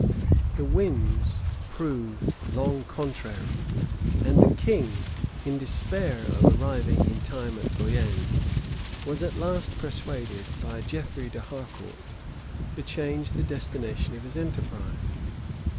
The winds proved long contrary;[*] and the king, in despair of arriving in time at Guienne, was at last persuaded, by Geoffrey d'Harcourt, to change the destination of his enterprise.